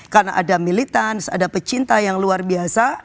karena ada militans ada pecinta yang luar biasa